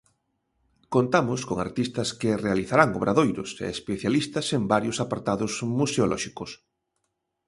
Contamos con artistas que realizarán obradoiros e especialistas en varios apartados museolóxicos.